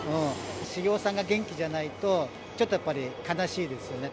茂雄さんが元気じゃないと、ちょっとやっぱり悲しいですよね。